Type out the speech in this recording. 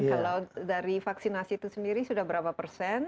kalau dari vaksinasi itu sendiri sudah berapa persen